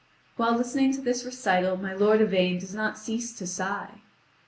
While listening to this recital my lord Yvain does not cease to sigh.